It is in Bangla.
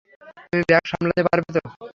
তুমি ব্যাগ সামলাতে পারবে তো?